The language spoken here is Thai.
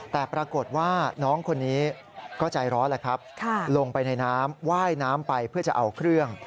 แต่ปรากฏว่าน้องคนนี้ก็ใจร้อนแหละครับลงไปในน้ำว่ายน้ำไปเพื่อจะเอาเครื่อง